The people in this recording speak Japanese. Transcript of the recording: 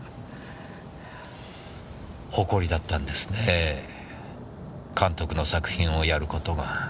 誇りだったんですねえ監督の作品をやることが。